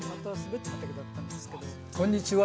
こんにちは。